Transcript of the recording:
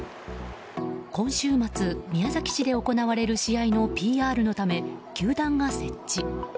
今週末、宮崎市で行われる試合のＰＲのため球団が設置。